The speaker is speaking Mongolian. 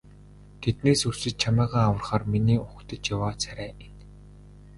Тэднээс өрсөж чамайгаа аврахаар миний угтаж яваа царай энэ.